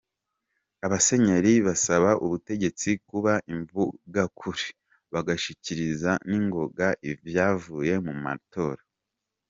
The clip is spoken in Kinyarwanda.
Abasenyeri basaba ubutegetsi kuba imvugakuri bagashikiriza ningoga ivyavuye mu matora.